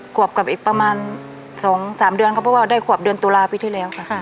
กวับกับอีกประมาณสองสามเดือนก็บอกว่าได้กวับเดือนตุลาค์ปีที่แล้วค่ะ